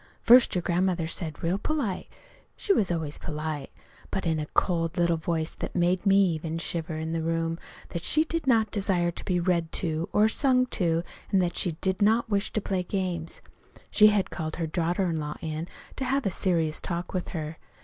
"First your grandmother said real polite she was always polite but in a cold little voice that made even me shiver in the other room, that she did not desire to be read to or sung to, and that she did not wish to play games. She had called her daughter in law in to have a serious talk with her.